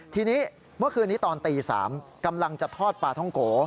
ทีนี้เมื่อคืนนี้ตอนตี๓กำลังจะทอดปลาท่องโก